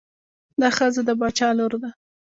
دا ښځه د باچا لور ده.